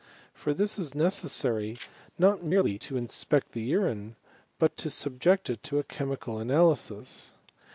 For this it is necessary, not merely to inspect the urine, but to subject it to a chemical analysis.